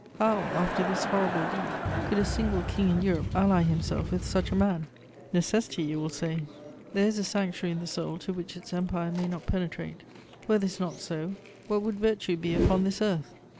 How, after this horrible deed, could a single king in Europe ally himself with such a man? Necessity, you will say. There is a sanctuary in the soul to which its empire may not penetrate; were this not so, what would virtue be upon this earth?